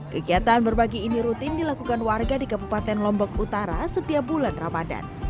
kegiatan berbagi ini rutin dilakukan warga di kabupaten lombok utara setiap bulan ramadan